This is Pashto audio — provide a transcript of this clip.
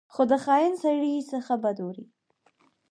خو د خاین سړي څخه بد وړي.